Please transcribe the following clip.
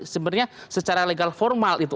sebenarnya secara legal formal itu